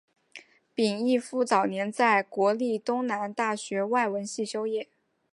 芮逸夫早年在国立东南大学外文系修业。